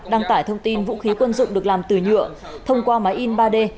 đăng tải thông tin vũ khí quân dụng được làm từ nhựa thông qua máy in ba d